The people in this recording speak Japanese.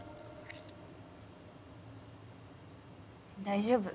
⁉大丈夫。